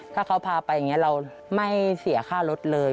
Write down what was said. ถ้าเขาพาไปอย่างนี้เราไม่เสียค่ารถเลย